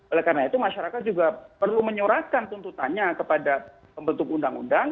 oleh karena itu masyarakat juga perlu menyorakan tuntutannya kepada pembentuk undang undang